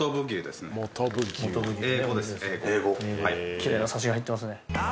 奇麗なサシが入ってますね。